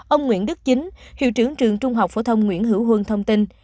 ông nguyễn đức chính hiệu trưởng trường trung học phổ thông nguyễn hữu huân thông tin